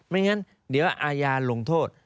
ไม่งั้นเดี๋ยวอาญาลงโทษ